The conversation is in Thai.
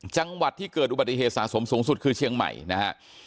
จังหวัดที่เกิดอุบัติเหตุสะสมสูงสุดคือเชียงใหม่นะฮะ